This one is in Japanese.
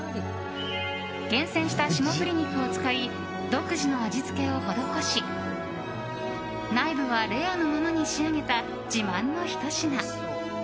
厳選した霜降り肉を使い独自の味付けを施し内部はレアのままに仕上げた自慢のひと品。